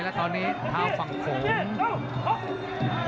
แล้วตอนนี้ทาฝั่งห่วง